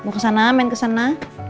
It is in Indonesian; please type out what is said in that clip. ke sana men ke sana